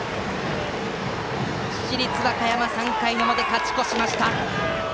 市立和歌山、３回の表勝ち越しました。